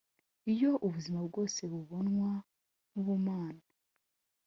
iyo ubuzima bwose bubonwa nkubumana